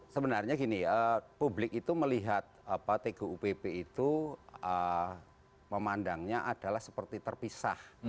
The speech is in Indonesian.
sebenarnya gini ya publik itu melihat tgupp itu memandangnya adalah seperti terpisah